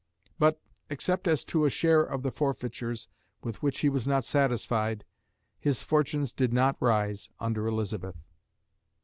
But, except as to a share of the forfeitures, with which he was not satisfied, his fortunes did not rise under Elizabeth.